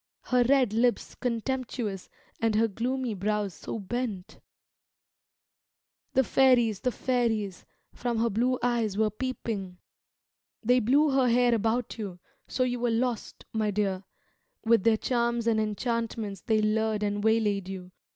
Her red lips contemptuous, and her gloomy brows so bent ? The fairies, the fairies, from her blue eyes were peeping ; They blew her hair about you, so you were lost, my dear ; With their charms and enchantments they lured and waylaid you.